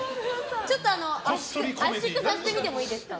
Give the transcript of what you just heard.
ちょっと圧縮させてみてもいいですか？